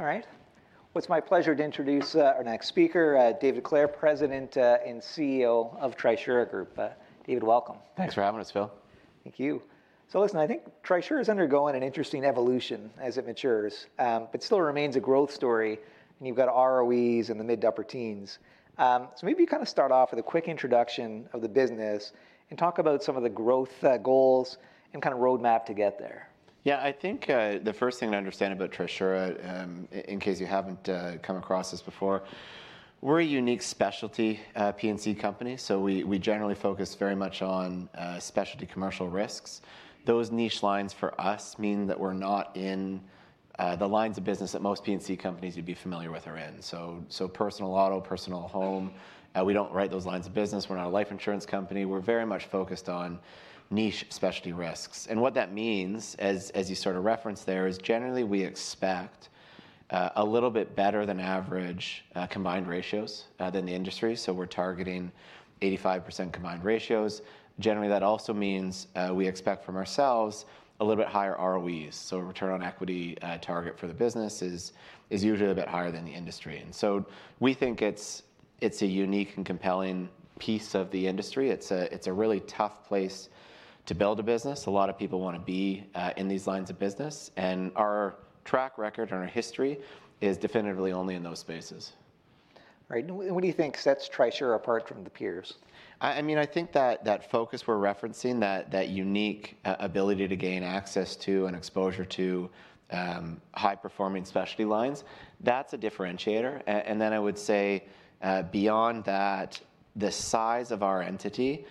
All right. Well, it's my pleasure to introduce our next speaker, David Clare, President and CEO of Trisura Group. David, welcome. Thanks for having us, Phil. Thank you. So listen, I think Trisura is undergoing an interesting evolution as it matures, but still remains a growth story, and you've got ROEs in the mid-to-upper teens. So maybe kind of start off with a quick introduction of the business and talk about some of the growth, goals and kind of roadmap to get there. Yeah, I think, the first thing to understand about Trisura, in case you haven't, come across us before, we're a unique specialty, P&C company. So we generally focus very much on, specialty commercial risks. Those niche lines for us mean that we're not in, the lines of business that most P&C companies you'd be familiar with are in. So personal auto, personal home, we don't write those lines of business. We're not a life insurance company. We're very much focused on niche specialty risks. And what that means, as you sort of referenced there, is generally we expect, a little bit better than average, combined ratios, than the industry. So we're targeting 85% combined ratios. Generally, that also means we expect from ourselves a little bit higher ROEs, so return on equity, target for the business is usually a bit higher than the industry. And so we think it's a unique and compelling piece of the industry. It's a really tough place to build a business. A lot of people want to be in these lines of business, and our track record and our history is definitively only in those spaces. Right. And what do you think sets Trisura apart from the peers? I mean, I think that focus we're referencing, that unique ability to gain access to and exposure to high-performing specialty lines, that's a differentiator. And then I would say, beyond that, the size of our entity,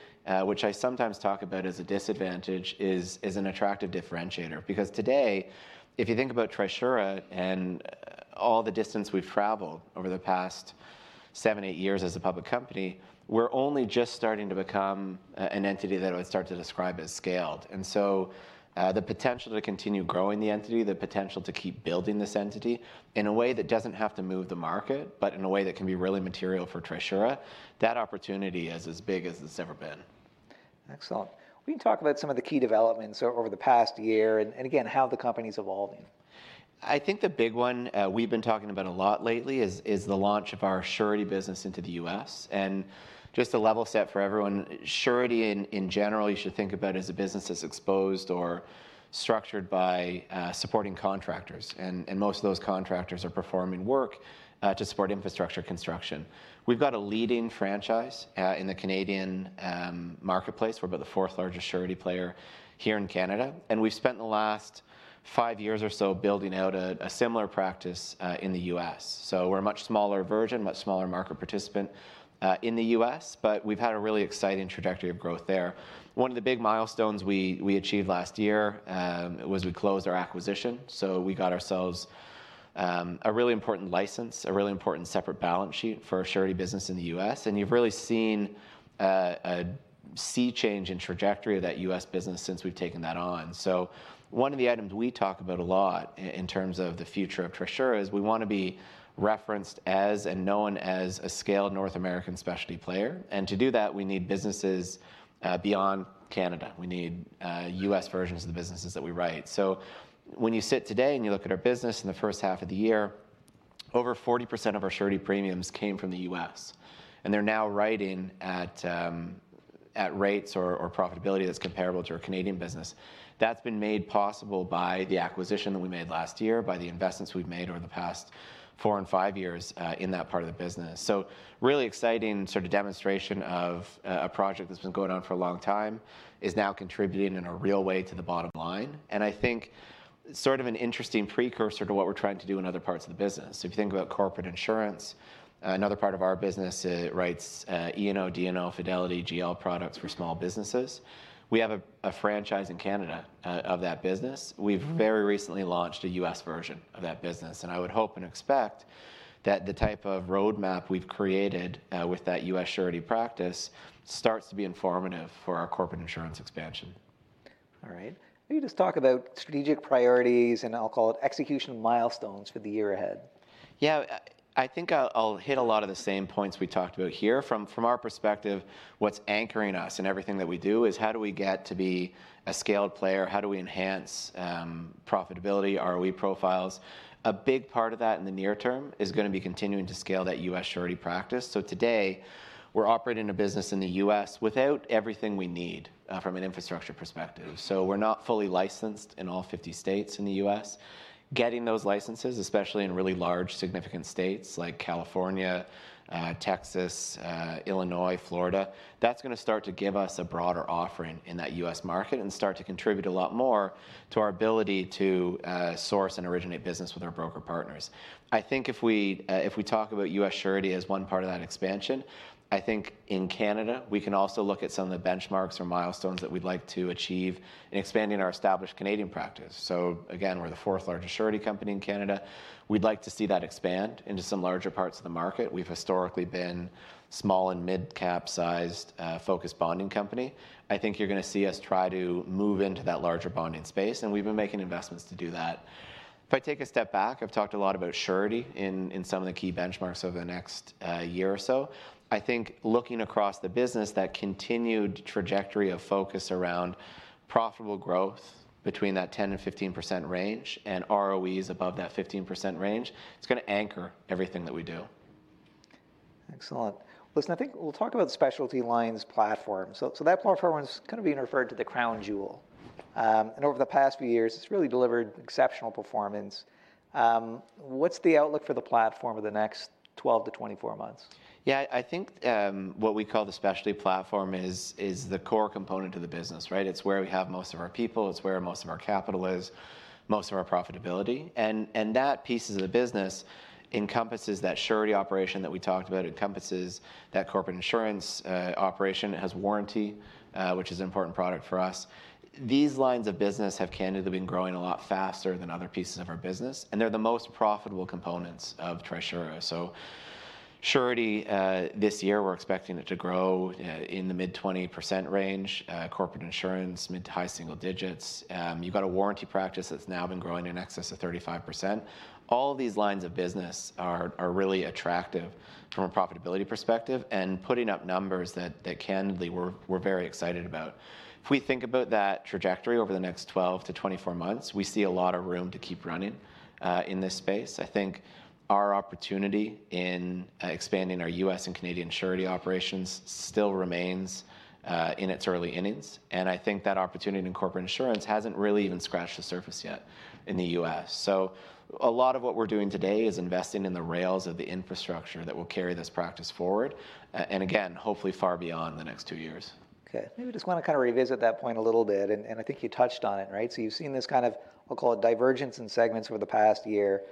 which I sometimes talk about as a disadvantage, is an attractive differentiator. Because today, if you think about Trisura and all the distance we've traveled over the past seven, eight years as a public company, we're only just starting to become an entity that I would start to describe as scaled. And so, the potential to continue growing the entity, the potential to keep building this entity in a way that doesn't have to move the market, but in a way that can be really material for Trisura, that opportunity is as big as it's ever been. Excellent. Will you talk about some of the key developments over the past year and again, how the company's evolving? I think the big one, we've been talking about a lot lately is the launch of our surety business into the U.S., and just to level set for everyone, surety in general, you should think about as a business that's exposed or structured by supporting contractors, and most of those contractors are performing work to support infrastructure construction. We've got a leading franchise in the Canadian marketplace. We're about the fourth-largest surety player here in Canada, and we've spent the last five years or so building out a similar practice in the U.S., so we're a much smaller version, much smaller market participant in the U.S., but we've had a really exciting trajectory of growth there. One of the big milestones we achieved last year was we closed our acquisition, so we got ourselves a really important license, a really important separate balance sheet for our surety business in the U.S. And you've really seen a sea change in trajectory of that U.S. business since we've taken that on. So one of the items we talk about a lot in terms of the future of Trisura is we want to be referenced as and known as a scaled North American specialty player, and to do that, we need businesses beyond Canada. We need U.S. versions of the businesses that we write. So when you sit today and you look at our business in the first half of the year, over 40% of our surety premiums came from the U.S., and they're now writing at rates or profitability that's comparable to our Canadian business. That's been made possible by the acquisition that we made last year, by the investments we've made over the past four and five years in that part of the business. So really exciting sort of demonstration of a project that's been going on for a long time is now contributing in a real way to the bottom line, and I think sort of an interesting precursor to what we're trying to do in other parts of the business. If you think about corporate insurance, another part of our business, it writes E&O, D&O, fidelity, GL products for small businesses. We have a franchise in Canada of that business. Mm-hmm. We've very recently launched a U.S. version of that business, and I would hope and expect that the type of roadmap we've created with that U.S. surety practice starts to be informative for our corporate insurance expansion. All right. Will you just talk about strategic priorities, and I'll call it execution milestones for the year ahead? Yeah. I think I'll hit a lot of the same points we talked about here. From our perspective, what's anchoring us in everything that we do is, how do we get to be a scaled player? How do we enhance profitability, ROE profiles? A big part of that in the near term is gonna be continuing to scale that U.S. surety practice. So today, we're operating a business in the U.S. without everything we need from an infrastructure perspective. So we're not fully licensed in all fifty states in the U.S. Getting those licenses, especially in really large, significant states like California, Texas, Illinois, Florida, that's gonna start to give us a broader offering in that U.S. market and start to contribute a lot more to our ability to source and originate business with our broker partners. I think if we, if we talk about U.S. surety as one part of that expansion, I think in Canada, we can also look at some of the benchmarks or milestones that we'd like to achieve in expanding our established Canadian practice. So again, we're the fourth-largest surety company in Canada. We'd like to see that expand into some larger parts of the market. We've historically been small- and mid-cap sized, focused bonding company. I think you're gonna see us try to move into that larger bonding space, and we've been making investments to do that. If I take a step back, I've talked a lot about surety in some of the key benchmarks over the next, year or so. I think looking across the business, that continued trajectory of focus around profitable growth between that 10% and 15% range and ROEs above that 15% range, it's gonna anchor everything that we do. Excellent. Listen, I think we'll talk about the specialty lines platform. So, that platform has kind of been referred to the crown jewel. And over the past few years, it's really delivered exceptional performance. What's the outlook for the platform over the next 12 months-24 months? Yeah, I think what we call the specialty platform is the core component of the business, right? It's where we have most of our people, it's where most of our capital is, most of our profitability. And that piece of the business encompasses that surety operation that we talked about, it encompasses that corporate insurance operation. It has warranty, which is an important product for us. These lines of business have candidly been growing a lot faster than other pieces of our business, and they're the most profitable components of Trisura. So surety, this year we're expecting it to grow in the mid-20% range. Corporate insurance, mid to high single digits. You've got a warranty practice that's now been growing in excess of 35%. All of these lines of business are really attractive from a profitability perspective, and putting up numbers that candidly we're very excited about. If we think about that trajectory over the next 12 months-24 months, we see a lot of room to keep running in this space. I think our opportunity in expanding our U.S. and Canadian surety operations still remains in its early innings, and I think that opportunity in corporate insurance hasn't really even scratched the surface yet in the U.S., so a lot of what we're doing today is investing in the rails of the infrastructure that will carry this practice forward, and again, hopefully far beyond the next two years. Okay. Maybe just want to kind of revisit that point a little bit, and I think you touched on it, right? So you've seen this kind of, we'll call it, divergence in segments over the past year.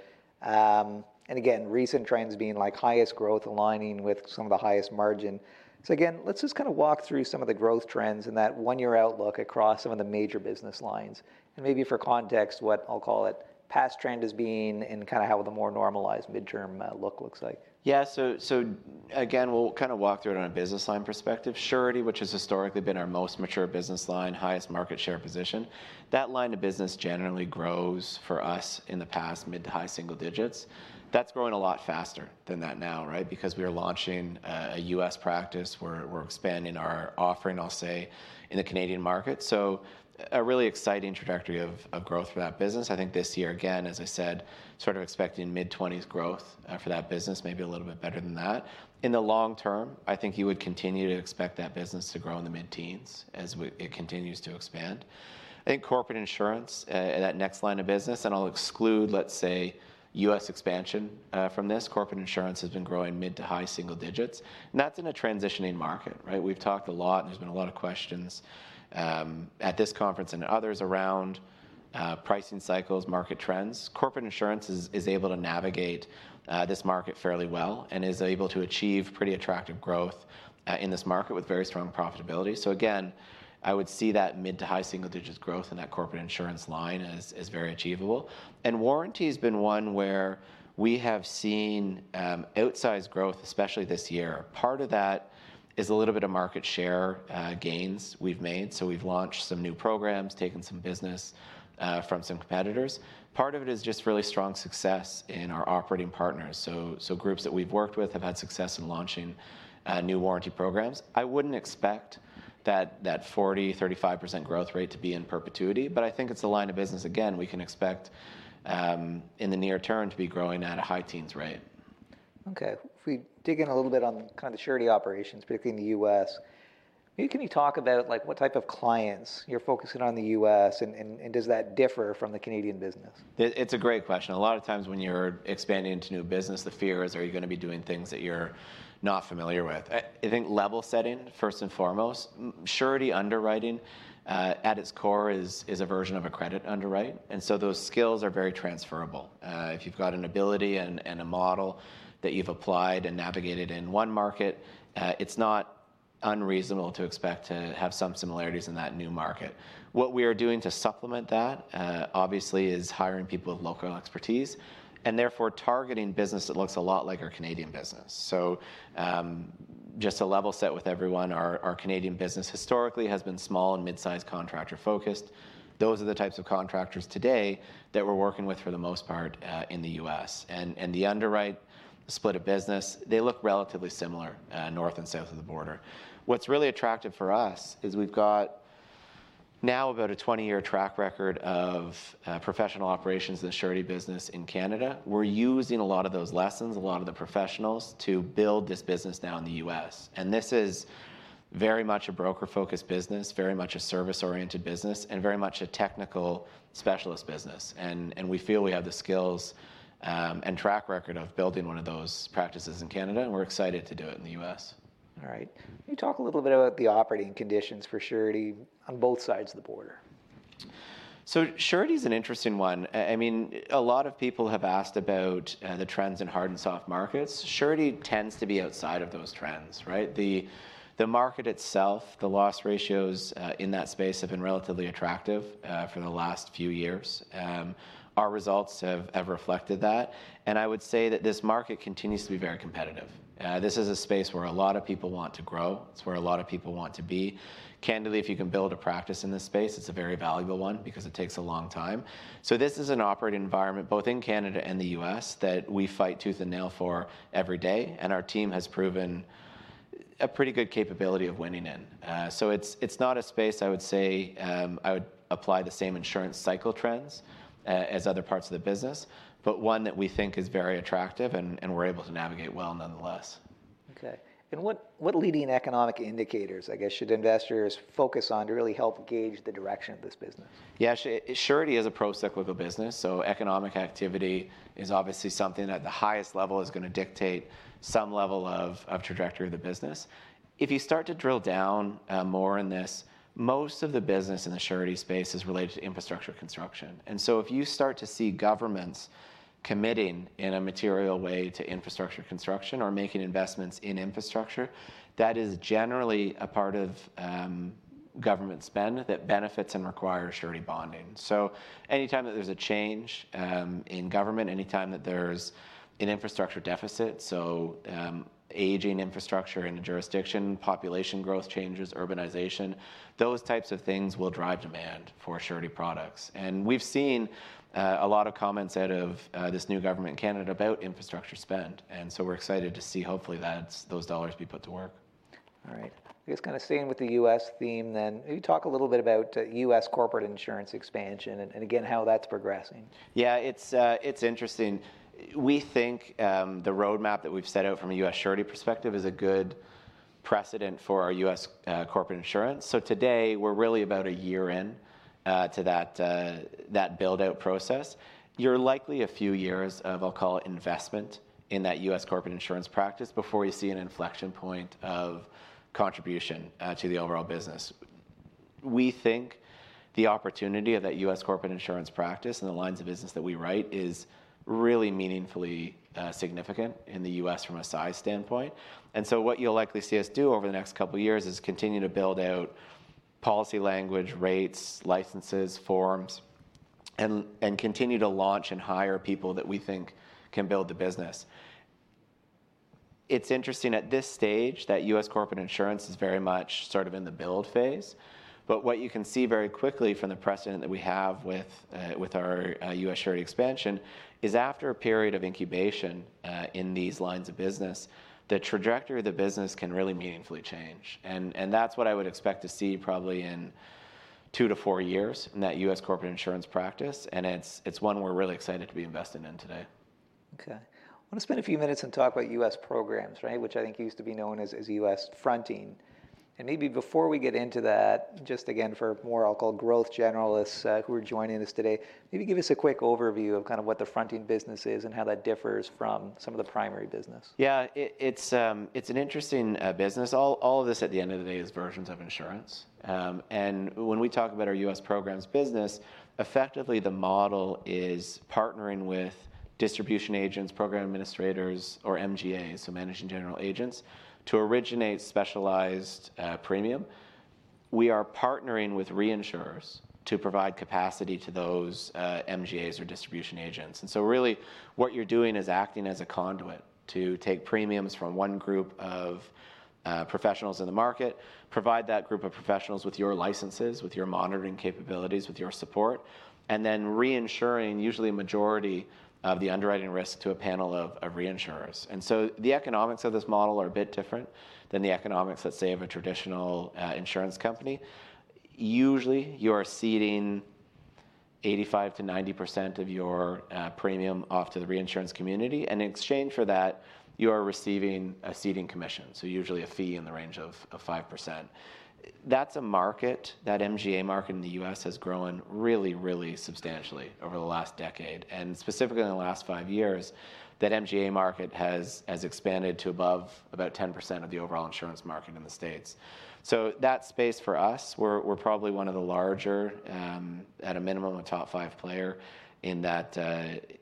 And again, recent trends being like highest growth aligning with some of the highest margin. So again, let's just kind of walk through some of the growth trends in that one-year outlook across some of the major business lines. And maybe for context, what I'll call it, past trend as being and kind of how the more normalized midterm look looks like. Yeah, so, so again, we'll kind of walk through it on a business line perspective. Surety, which has historically been our most mature business line, highest market share position, that line of business generally grows for us in the past mid- to high single digits. That's growing a lot faster than that now, right? Because we are launching a U.S. practice, we're expanding our offering, I'll say, in the Canadian market. So a really exciting trajectory of growth for that business. I think this year, again, as I said, sort of expecting mid-20s growth for that business, maybe a little bit better than that. In the long term, I think you would continue to expect that business to grow in the mid-teens as it continues to expand. I think corporate insurance and that next line of business, and I'll exclude, let's say, U.S. expansion from this. Corporate insurance has been growing mid to high single digits, and that's in a transitioning market, right? We've talked a lot, and there's been a lot of questions at this conference and others around pricing cycles, market trends. Corporate insurance is able to navigate this market fairly well and is able to achieve pretty attractive growth in this market with very strong profitability, so again, I would see that mid to high single digits growth in that corporate insurance line as very achievable, and warranty has been one where we have seen outsized growth, especially this year. Part of that is a little bit of market share gains we've made. So we've launched some new programs, taken some business from some competitors. Part of it is just really strong success in our operating partners. So groups that we've worked with have had success in launching new warranty programs. I wouldn't expect that 35%-40% growth rate to be in perpetuity, but I think it's a line of business, again, we can expect in the near term to be growing at a high teens rate. Okay. If we dig in a little bit on kind of the surety operations, particularly in the U.S., can you talk about, like, what type of clients you're focusing on in the U.S., and does that differ from the Canadian business? It's a great question. A lot of times when you're expanding into new business, the fear is, are you going to be doing things that you're not familiar with? I think level setting, first and foremost. Surety underwriting at its core is a version of a credit underwrite, and so those skills are very transferable. If you've got an ability and a model that you've applied and navigated in one market, it's not unreasonable to expect to have some similarities in that new market. What we are doing to supplement that, obviously, is hiring people with local expertise, and therefore targeting business that looks a lot like our Canadian business. So, just to level set with everyone, our Canadian business historically has been small and mid-sized contractor-focused. Those are the types of contractors today that we're working with for the most part in the U.S. And the underwriting split of business, they look relatively similar north and south of the border. What's really attractive for us is we've got now about a twenty-year track record of professional operations in the surety business in Canada. We're using a lot of those lessons, a lot of the professionals, to build this business now in the U.S. And this is very much a broker-focused business, very much a service-oriented business, and very much a technical specialist business. And we feel we have the skills and track record of building one of those practices in Canada, and we're excited to do it in the U.S. All right. Can you talk a little bit about the operating conditions for surety on both sides of the border? So surety is an interesting one. I mean, a lot of people have asked about the trends in hard and soft markets. Surety tends to be outside of those trends, right? The market itself, the loss ratios in that space have been relatively attractive for the last few years. Our results have reflected that, and I would say that this market continues to be very competitive. This is a space where a lot of people want to grow. It's where a lot of people want to be. Candidly, if you can build a practice in this space, it's a very valuable one because it takes a long time. This is an operating environment, both in Canada and the U.S., that we fight tooth and nail for every day, and our team has proven a pretty good capability of winning in. So it's not a space I would say. I would apply the same insurance cycle trends as other parts of the business, but one that we think is very attractive, and we're able to navigate well nonetheless. Okay. And what leading economic indicators, I guess, should investors focus on to really help gauge the direction of this business? Yeah, surety is a procyclical business, so economic activity is obviously something at the highest level is gonna dictate some level of trajectory of the business. If you start to drill down more in this, most of the business in the surety space is related to infrastructure construction. And so if you start to see governments committing in a material way to infrastructure construction or making investments in infrastructure, that is generally a part of government spend that benefits and requires surety bonding. So any time that there's a change in government, any time that there's an infrastructure deficit, aging infrastructure in a jurisdiction, population growth changes, urbanization, those types of things will drive demand for surety products. We've seen a lot of comments out of this new government in Canada about infrastructure spend, and so we're excited to see hopefully that's those dollars be put to work. All right. I guess kind of staying with the U.S. theme then, can you talk a little bit about, U.S. corporate insurance expansion and, and again, how that's progressing? Yeah, it's, it's interesting. We think, the roadmap that we've set out from a U.S. surety perspective is a good precedent for our U.S. corporate insurance. So today, we're really about a year in to that build-out process. You're likely a few years of, I'll call it, investment in that U.S. corporate insurance practice before you see an inflection point of contribution to the overall business. We think the opportunity of that U.S. corporate insurance practice and the lines of business that we write is really meaningfully significant in the U.S. from a size standpoint. And so what you'll likely see us do over the next couple of years is continue to build out policy language, rates, licenses, forms, and continue to launch and hire people that we think can build the business. It's interesting at this stage that U.S. corporate insurance is very much sort of in the build phase, but what you can see very quickly from the precedent that we have with our U.S. surety expansion is after a period of incubation in these lines of business, the trajectory of the business can really meaningfully change. And that's what I would expect to see probably in two to four years in that U.S. corporate insurance practice, and it's one we're really excited to be investing in today. Okay. I want to spend a few minutes and talk about U.S. programs, right? Which I think used to be known as U.S. fronting. And maybe before we get into that, just again, for more, I'll call growth generalists who are joining us today, maybe give us a quick overview of kind of what the fronting business is and how that differs from some of the primary business. Yeah. It's an interesting business. All of this at the end of the day is versions of insurance. And when we talk about our U.S. programs business, effectively the model is partnering with distribution agents, program administrators, or MGAs, so managing general agents, to originate specialized premium. We are partnering with reinsurers to provide capacity to those MGAs or distribution agents. And so really, what you're doing is acting as a conduit to take premiums from one group of professionals in the market, provide that group of professionals with your licenses, with your monitoring capabilities, with your support, and then reinsuring usually a majority of the underwriting risk to a panel of reinsurers. And so the economics of this model are a bit different than the economics, let's say, of a traditional insurance company. Usually, you are ceding 85%-90% of your premium off to the reinsurance community, and in exchange for that, you are receiving a ceding commission, so usually a fee in the range of 5%. That's a market, that MGA market in the U.S. has grown really, really substantially over the last decade, and specifically in the last five years, that MGA market has expanded to above about 10% of the overall insurance market in the States. So that space for us, we're probably one of the larger, at a minimum, a top five player in that,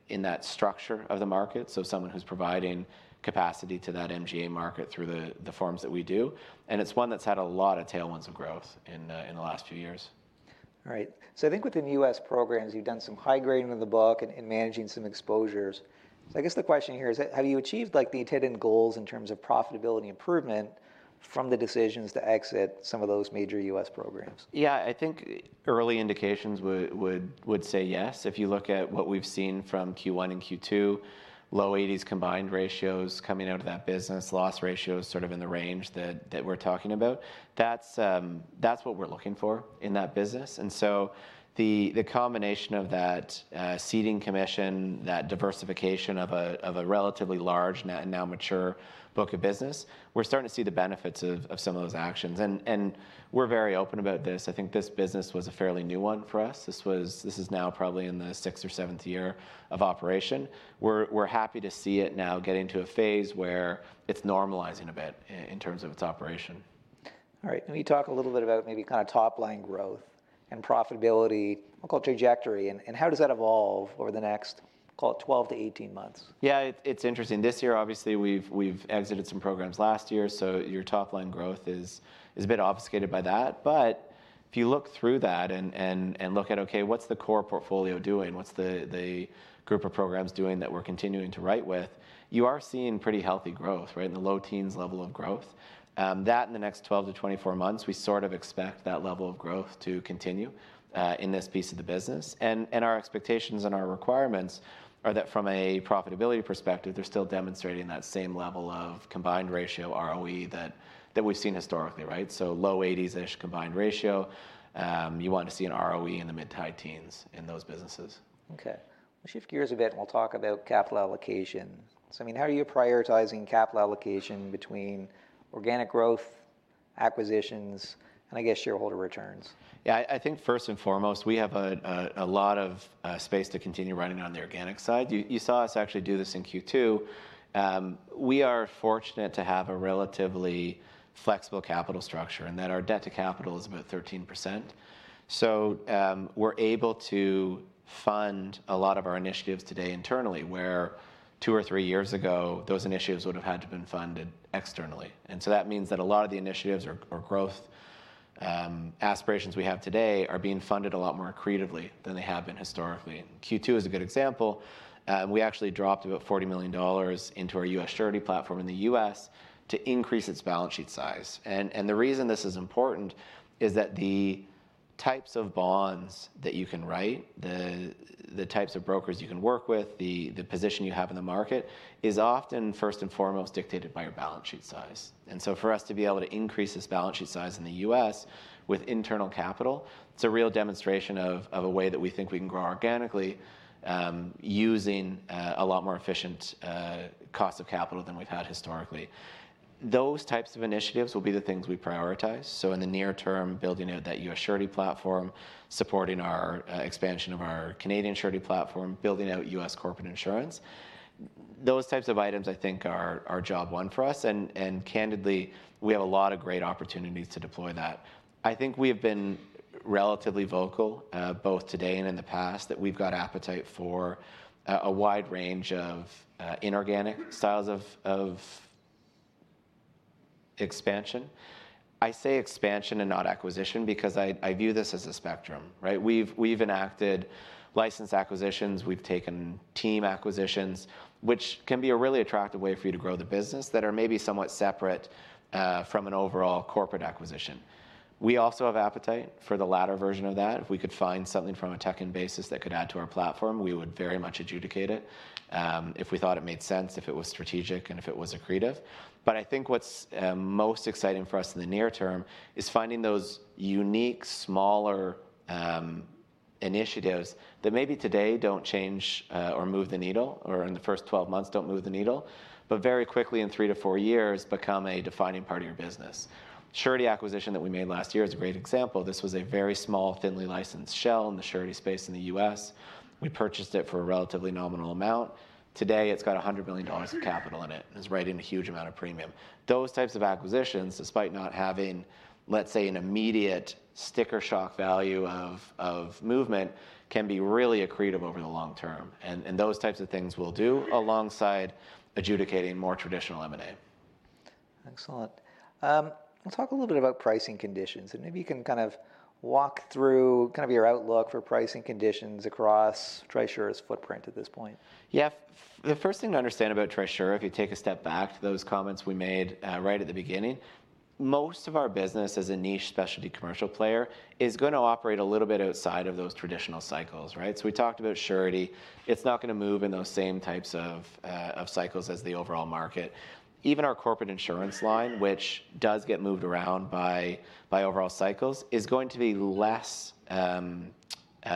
in that structure of the market, so someone who's providing capacity to that MGA market through the forms that we do, and it's one that's had a lot of tailwinds of growth in the last few years. All right. So I think within the U.S. programs, you've done some high-grading of the book and managing some exposures. So I guess the question here is, have you achieved, like, the intended goals in terms of profitability improvement from the decisions to exit some of those major U.S. programs? Yeah, I think early indications would say yes. If you look at what we've seen from Q1 and Q2, low 80s combined ratios coming out of that business, loss ratio is sort of in the range that we're talking about. That's, that's what we're looking for in that business. And so the combination of that, ceding commission, that diversification of a relatively large, now mature book of business, we're starting to see the benefits of some of those actions. And we're very open about this. I think this business was a fairly new one for us. This was.. This is now probably in the sixth or seventh year of operation. We're happy to see it now getting to a phase where it's normalizing a bit in terms of its operation. All right. Let me talk a little bit about maybe kind of top-line growth and profitability, I'll call, trajectory, and, and how does that evolve over the next, call it, twelve to eighteen months? Yeah, it's interesting. This year, obviously, we've exited some programs last year, so your top-line growth is a bit obfuscated by that. But if you look through that and look at, okay, what's the core portfolio doing? What's the group of programs doing that we're continuing to write with? You are seeing pretty healthy growth, right? In the low teens level of growth. That in the next 12 months-24 months, we sort of expect that level of growth to continue in this piece of the business, and our expectations and our requirements are that from a profitability perspective, they're still demonstrating that same level of combined ratio ROE that we've seen historically, right? So low 80s-ish combined ratio. You want to see an ROE in the mid- to high-teens in those businesses. Okay. We'll shift gears a bit, and we'll talk about capital allocation, so I mean, how are you prioritizing capital allocation between organic growth, acquisitions, and I guess shareholder returns? Yeah, I think first and foremost, we have a lot of space to continue running on the organic side. You saw us actually do this in Q2. We are fortunate to have a relatively flexible capital structure, in that our debt to capital is about 13%. So, we're able to fund a lot of our initiatives today internally, where two or three years ago, those initiatives would've had to have been funded externally. And so that means that a lot of the initiatives or growth aspirations we have today are being funded a lot more accretively than they have been historically. Q2 is a good example. We actually dropped about $40 million into our U.S. surety platform in the U.S. to increase its balance sheet size. The reason this is important is that the types of bonds that you can write, the types of brokers you can work with, the position you have in the market, is often first and foremost dictated by your balance sheet size, and so for us to be able to increase this balance sheet size in the U.S. with internal capital, it's a real demonstration of a way that we think we can grow organically, using a lot more efficient cost of capital than we've had historically. Those types of initiatives will be the things we prioritize, so in the near term, building out that U.S. surety platform, supporting our expansion of our Canadian surety platform, building out U.S. corporate insurance. Those types of items I think are job one for us. Candidly, we have a lot of great opportunities to deploy that. I think we have been relatively vocal both today and in the past that we've got appetite for a wide range of inorganic styles of expansion. I say expansion and not acquisition because I view this as a spectrum, right? We've enacted license acquisitions. We've taken team acquisitions, which can be a really attractive way for you to grow the business that are maybe somewhat separate from an overall corporate acquisition. We also have appetite for the latter version of that. If we could find something from a tuck-in basis that could add to our platform, we would very much adjudicate it if we thought it made sense, if it was strategic, and if it was accretive. But I think what's most exciting for us in the near term is finding those unique, smaller, initiatives that maybe today don't change, or move the needle, or in the first 12 months don't move the needle, but very quickly, in three to four years, become a defining part of your business. Surety acquisition that we made last year is a great example. This was a very small, thinly licensed shell in the surety space in the U.S. We purchased it for a relatively nominal amount. Today, it's got $100 million of capital in it, and it's writing a huge amount of premium. Those types of acquisitions, despite not having, let's say, an immediate sticker shock value of movement, can be really accretive over the long term. And those types of things we'll do alongside adjudicating more traditional M&A. Excellent. We'll talk a little bit about pricing conditions, and maybe you can kind of walk through kind of your outlook for pricing conditions across Trisura's footprint at this point. Yeah. The first thing to understand about Trisura, if you take a step back to those comments we made right at the beginning, most of our business as a niche specialty commercial player is gonna operate a little bit outside of those traditional cycles, right? So we talked about surety. It's not gonna move in those same types of cycles as the overall market. Even our corporate insurance line, which does get moved around by overall cycles, is going to be less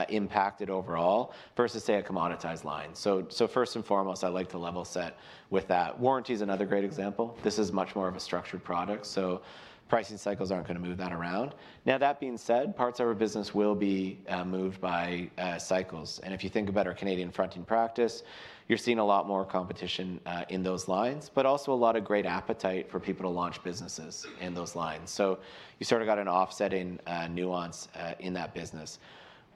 impacted overall versus, say, a commoditized line. So first and foremost, I'd like to level set with that. Warranty's another great example. This is much more of a structured product, so pricing cycles aren't gonna move that around. Now that being said, parts of our business will be moved by cycles. And if you think about our Canadian fronting practice, you're seeing a lot more competition in those lines, but also a lot of great appetite for people to launch businesses in those lines. So you've sort of got an offsetting nuance in that business.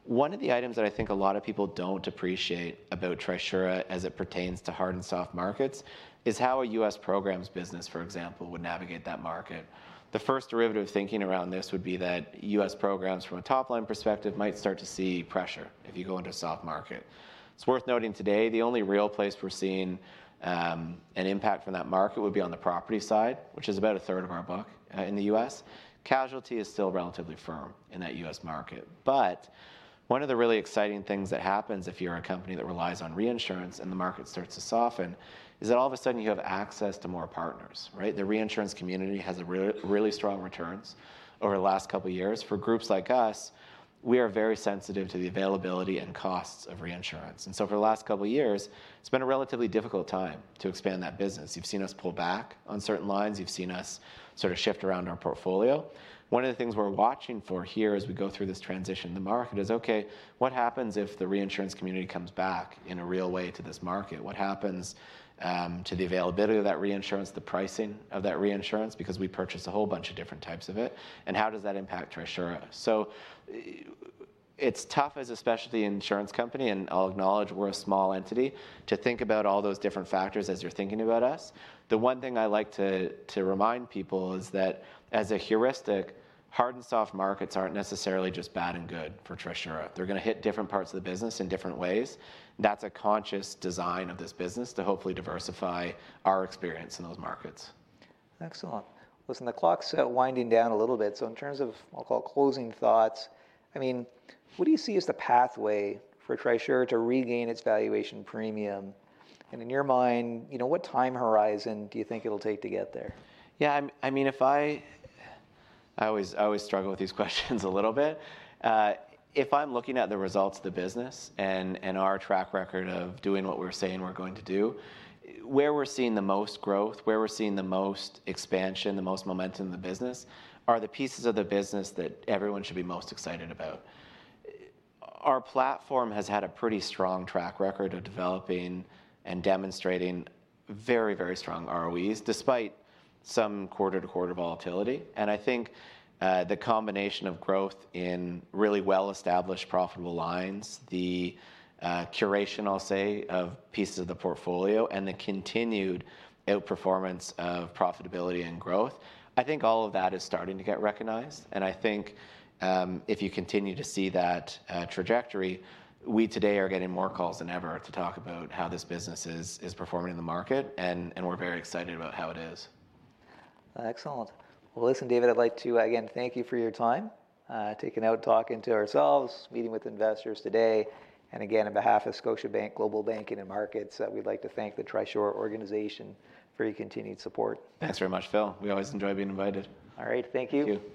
One of the items that I think a lot of people don't appreciate about Trisura as it pertains to hard and soft markets is how a U.S. programs business, for example, would navigate that market. The first derivative thinking around this would be that U.S. programs from a top-line perspective might start to see pressure if you go into a soft market. It's worth noting today, the only real place we're seeing an impact from that market would be on the property side, which is about a third of our book in the U.S. Casualty is still relatively firm in that U.S. market. But one of the really exciting things that happens if you're a company that relies on reinsurance and the market starts to soften, is that all of a sudden you have access to more partners, right? The reinsurance community has really strong returns over the last couple of years. For groups like us, we are very sensitive to the availability and costs of reinsurance. And so for the last couple of years, it's been a relatively difficult time to expand that business. You've seen us pull back on certain lines. You've seen us sort of shift around our portfolio. One of the things we're watching for here as we go through this transition in the market is, okay, what happens if the reinsurance community comes back in a real way to this market? What happens to the availability of that reinsurance, the pricing of that reinsurance because we purchase a whole bunch of different types of it, and how does that impact Trisura, so it's tough as a specialty insurance company, and I'll acknowledge we're a small entity, to think about all those different factors as you're thinking about us. The one thing I like to remind people is that, as a heuristic, hard and soft markets aren't necessarily just bad and good for Trisura. They're gonna hit different parts of the business in different ways. That's a conscious design of this business to hopefully diversify our experience in those markets. Excellent. Listen, the clock's winding down a little bit, so in terms of what I'll call closing thoughts, I mean, what do you see as the pathway for Trisura to regain its valuation premium? And, in your mind, you know, what time horizon do you think it'll take to get there? Yeah, I mean, if I always struggle with these questions a little bit. If I'm looking at the results of the business and our track record of doing what we're saying we're going to do, where we're seeing the most growth, where we're seeing the most expansion, the most momentum in the business, are the pieces of the business that everyone should be most excited about. Our platform has had a pretty strong track record of developing and demonstrating very, very strong ROEs, despite some quarter-to-quarter volatility. I think the combination of growth in really well-established, profitable lines, the curation, I'll say, of pieces of the portfolio, and the continued outperformance of profitability and growth, I think all of that is starting to get recognized. I think, if you continue to see that trajectory, we today are getting more calls than ever to talk about how this business is performing in the market, and we're very excited about how it is. Excellent. Well, listen, David, I'd like to again thank you for your time, taking out, talking to ourselves, meeting with investors today. And again, on behalf of Scotiabank Global Banking and Markets, we'd like to thank the Trisura organization for your continued support. Thanks very much, Phil. We always enjoy being invited. All right. Thank you.